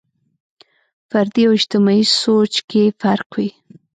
فردي او اجتماعي سوچ کې فرق وي.